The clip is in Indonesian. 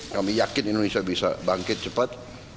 kami yakin indonesia bisa bangkit cepat